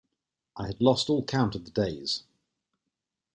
I had lost all count of the days.